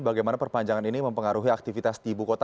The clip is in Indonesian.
bagaimana perpanjangan ini mempengaruhi aktivitas di ibu kota